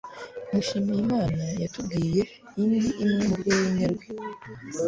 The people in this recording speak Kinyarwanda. Mushimiyimana yatubwiye indi imwe mu rwenya rwe.